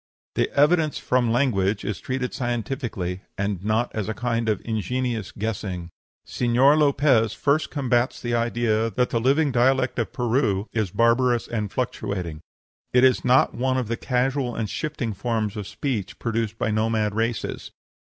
The evidence from language is treated scientifically, and not as a kind of ingenious guessing. Señor Lopez first combats the idea that the living dialect of Peru is barbarous and fluctuating. It is not one of the casual and shifting forms of speech produced by nomad races.